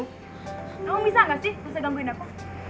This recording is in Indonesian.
kamu bisa gak sih gak usah gangguin aku